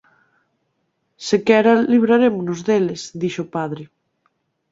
Sequera librarémonos deles −dixo padre−.